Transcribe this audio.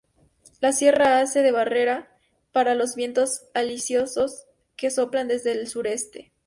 La sierra hace de barrera para los vientos alisios que soplan desde el sureste.